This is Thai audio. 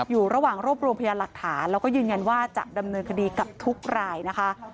อยู่ระหว่างรวบรวมพยานหลักฐานแล้วก็ยืนยันว่าจะดำเนินคดีกับทุกรายนะคะ